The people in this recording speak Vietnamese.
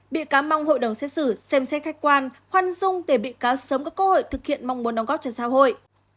bị cáo mong hội đồng xét xử xem xét khách quan khoan dung để bị cáo sớm có cơ hội thực hiện mong muốn đóng góp cho xã hội